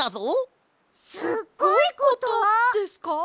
すっごいことですか？